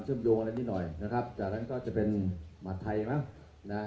เมืองอัศวินธรรมดาคือสถานที่สุดท้ายของเมืองอัศวินธรรมดา